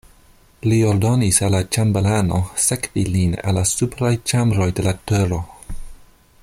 Li ordonis al la ĉambelano sekvi lin al la supraj ĉambroj de la turo.